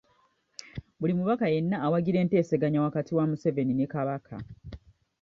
Buli mubaka yenna awagira enteeseganya wakati wa Museveni ne Kabaka.